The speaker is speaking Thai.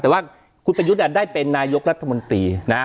แต่ว่าคุณประยุทธ์ได้เป็นนายกรัฐมนตรีนะฮะ